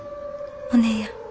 お姉やん。